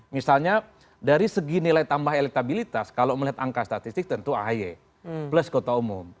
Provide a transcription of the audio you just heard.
misalnya dari segi nilai tambah elektabilitas kalau melihat angka statistik tentu ahy plus kota umum